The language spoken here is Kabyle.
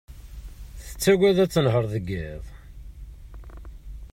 Tettaggad ad tenher deg yiḍ.